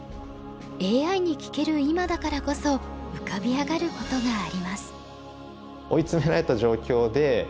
ＡＩに聞ける今だからこそ浮かび上がることがあります。